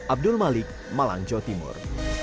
abdul malik malangjo timur